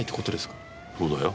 そうだよ。